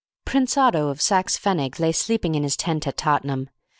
Prince Otto of Saxe Pfennig lay sleeping in his tent at Tottenham.